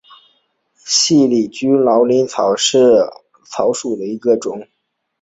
细茎驴蹄草为毛茛科驴蹄草属下的一个种。